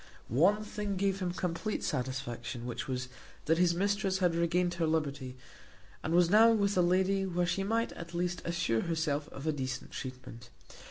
One thing gave him complete satisfaction, which was, that his mistress had regained her liberty, and was now with a lady where she might at least assure herself of a decent treatment.